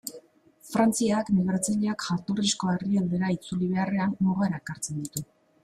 Frantziak migratzaileak jatorrizko herrialdera itzuli beharrean, mugara ekartzen ditu.